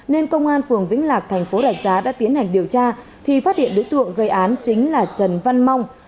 nên công an phường vĩnh lạc thành phố rạch giá đã tiến hành điều tra thì phát hiện đối tượng gây án chính là trần văn mong